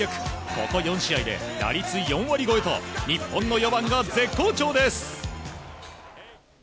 ここ４試合で打率４割超えと日本の４番が絶好調です。